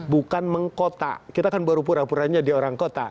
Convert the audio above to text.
bukan mengkota kita kan baru pura puranya dia orang kota